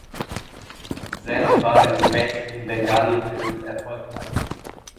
Sen war in Mainstream-Bengali-Filmen erfolgreich.